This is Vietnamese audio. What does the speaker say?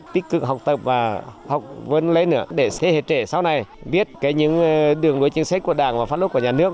tích cực học tập và học vươn lên nữa để thế hệ trễ sau này biết những đường đối chính sách của đảng và phát lúc của nhà nước